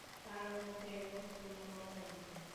কারো মুখে কোনো কথা নেই।